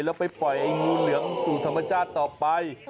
แล้วไปปล่อยงูเหลือมสู่ธรรมชาติต่อไป